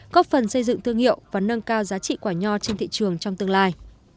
góp phần xây dựng thương hiệu và nâng cao giá trị quả nho trên thị trường trong tương lai